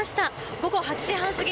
午後８時半過ぎ